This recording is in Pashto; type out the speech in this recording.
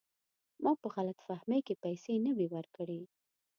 ما په غلط فهمۍ کې پیسې نه وې ورکړي.